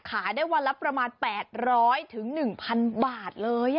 ขายได้วันละประมาณ๘๐๐๑๐๐บาทเลย